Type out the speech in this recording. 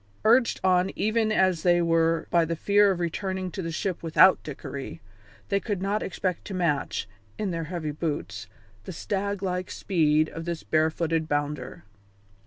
Urged on even as they were by the fear of returning to the ship without Dickory, they could not expect to match, in their heavy boots, the stag like speed of this barefooted bounder.